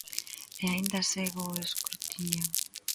E aínda segue o escrutinio.